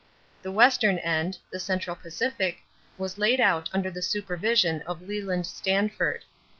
The Western end, the Central Pacific, was laid out under the supervision of Leland Stanford.